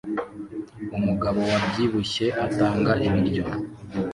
Umugabo wabyibushye atanga ibiryo